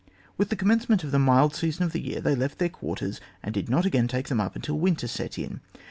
With the commencement of the mild season of the year they left their quarters, and did not again take them up until winter set in.